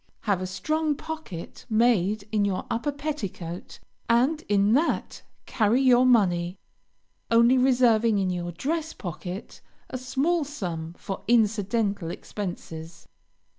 Have a strong pocket made in your upper petticoat, and in that carry your money, only reserving in your dress pocket a small sum for incidental expenses.